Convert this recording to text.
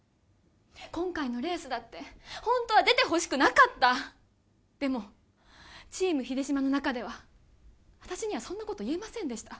今回のレースだってホントは出てほしくなかったでもチーム秀島の中では私にはそんなこと言えませんでした